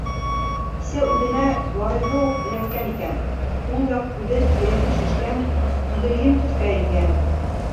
Кисә үҙенә ярайһы уҡ эләккән икән, һул яҡ күҙе тирәһе шешкән, күгелйем төҫкә ингән.